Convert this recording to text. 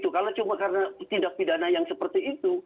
kalau cuma karena tindak pidana yang seperti itu